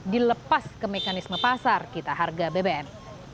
dilepas ke mekanisme pasar kita harga bbm